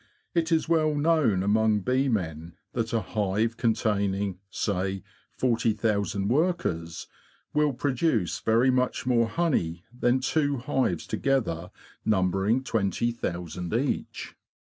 It is well know among bee men that a hive containing, say, forty thousand workers will produce very much more honey than two hives together numbering twenty thousand each.